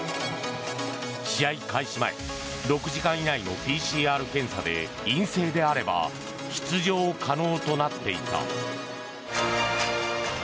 試合開始前６時間以内のＰＣＲ検査で陰性であれば出場可能となっていた。